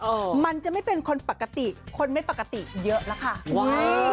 มันจะไม่เป็นคนปกติคนไม่ปกติเยอะแล้วค่ะว้าย